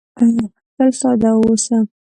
تل ساده واوسه .